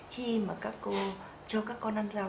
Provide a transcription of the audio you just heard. khi mà các cô cho các con ăn rau